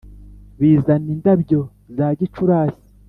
bizana indabyo za gicurasi